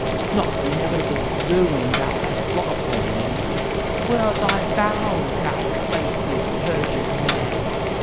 not the inevitable ruin thou hast brought upon me! Where are thy vows, thou faithless, perjured man?